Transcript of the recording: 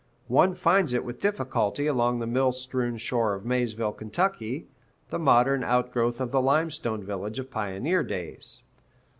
One finds it with difficulty along the mill strewn shore of Maysville, Ky., the modern outgrowth of the Limestone village of pioneer days.